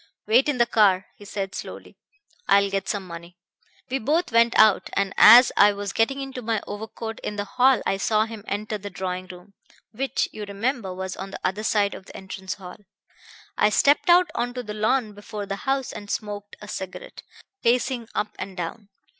'Wait in the car,' he said slowly. 'I will get some money.' We both went out, and as I was getting into my overcoat in the hall I saw him enter the drawing room, which, you remember, was on the other side of the entrance hall. "I stepped out onto the lawn before the house and smoked a cigarette, pacing up and down.